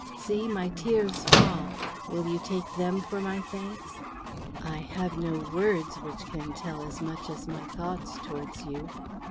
See my tears fall! Will you take them for my thanks? I have no words which can tell as much of my thoughts towards you.